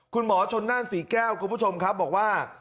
คุณหมอชนนั่นศรีแก้วคุณผู้ชมครับบอกว่า